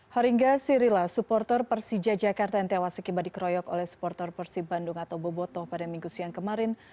haringga sirila supporter persija jakarta yang tewas akibat dikeroyok oleh supporter persib bandung atau boboto pada minggu siang kemarin